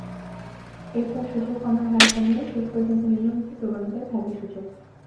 এরপর সূচক কমার হার কমলেও শেষ পর্যন্ত নিম্নমুখী প্রবণতায় থাকে সূচক।